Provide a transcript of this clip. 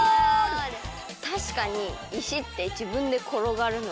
たしかにいしってじぶんでころがるので。